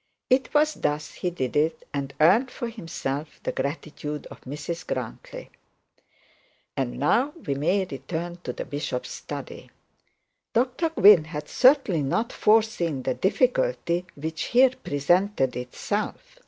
'Twas thus he did it; and earned for himself the gratitude of Mrs Grantly. And now we may return to the bishop's study. Dr Gwynne had certainly not foreseen the difficulty which here presented itself.